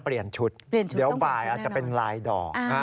เปลี่ยนชุดต้องเปลี่ยนชุดแน่นอนเดี๋ยวบ่ายอาจเป็นลายดอก